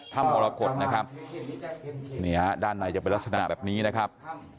มรกฏนะครับนี่ฮะด้านในจะเป็นลักษณะแบบนี้นะครับ